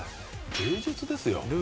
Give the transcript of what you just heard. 芸術ですよ。